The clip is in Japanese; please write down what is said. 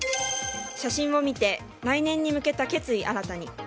写真を見て来年に向けた決意新たに。